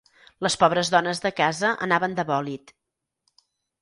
Les pobres dones de casa anaven de bòlit.